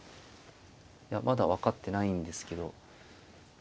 まだ分かってないんですけど。